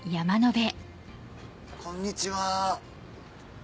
こんにちは。